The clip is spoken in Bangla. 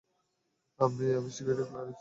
আম্মি, আমি সিকিউরিটি ক্লিয়ারেন্সে আছি।